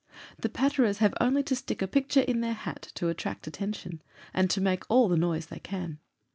The patterers have only to stick a picture in their hat to attract attention, and to make all the noise they can.